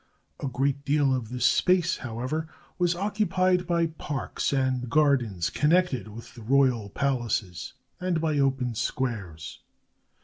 A great deal of this space was, however, occupied by parks and gardens connected with the royal palaces, and by open squares.